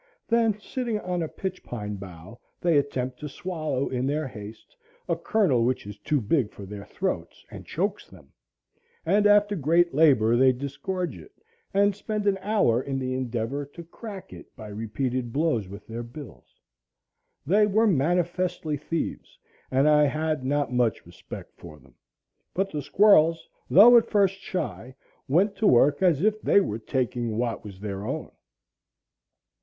Then, sitting on a pitch pine bough, they attempt to swallow in their haste a kernel which is too big for their throats and chokes them; and after great labor they disgorge it, and spend an hour in the endeavor to crack it by repeated blows with their bills. They were manifestly thieves, and I had not much respect for them; but the squirrels, though at first shy, went to work as if they were taking what was their own.